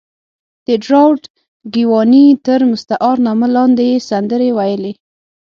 د اېډوارډو ګیواني تر مستعار نامه لاندې یې سندرې ویلې.